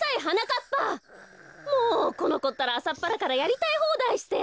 もうこのこったらあさっぱらからやりたいほうだいして。